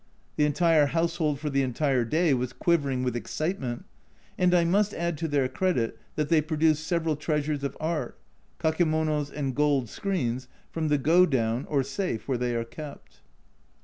The entire household for the entire day was quivering with excitement ; and I must add to their credit that they produced several treasures of art, kakemonos and gold screens, from the go down (or safe), where they are kept.